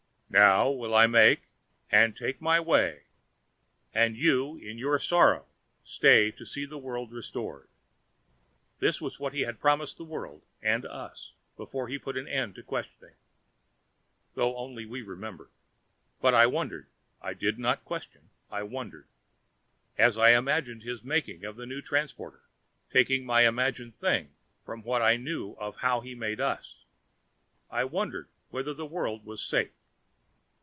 "Now will I make, and take my way, and you in your sorrow stay to see the world restored." This was as he had promised the world, and us, before he put an end to questioning. Though only we remembered. But I wondered I did not question; I wondered as I imagined his making of the new transporter, taking my imagined thing from what I knew of how he had made us; I wondered whether the world was safe.